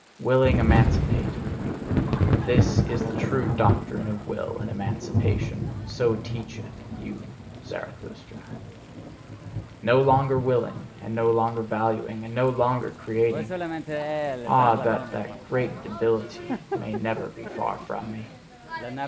Willing emancipateth: that is the true doctrine of will and emancipation so teacheth you Zarathustra. No longer willing, and no longer valuing, and no longer creating! Ah, that that great debility may ever be far from me!